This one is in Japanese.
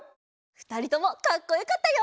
ふたりともかっこよかったよ！